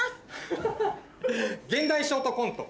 現代ショートコント